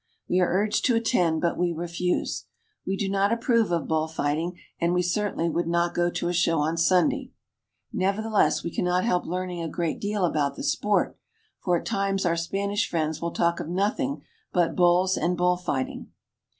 We are urged to attend, but we refuse. We do not approve of bull fighting, and we certainly would not go to a show on Sunday. Nevertheless, we cannot help IN THE CITIES OF SPAIN. 439 learning a great deal about the sport, for at times our Spanish friends will talk of nothing but bulls and bull fighting.